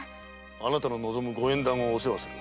あなたの望むご縁談をお世話する。